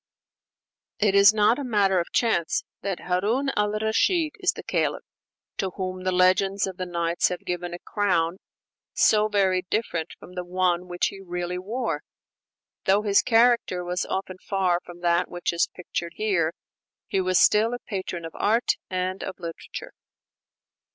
It is not a matter of chance that Harun al Rashid is the Caliph to whom the legends of the 'Nights' have given a crown so very different from the one which he really wore. Though his character was often far from that which is pictured here, he was still a patron of art and of literature.